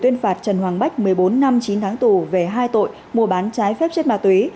tuyên phạt trần hoàng bách một mươi bốn năm chín tháng tù về hai tội mua bán trái phép chất ma túy